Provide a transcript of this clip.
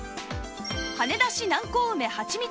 はねだし南高梅はちみつ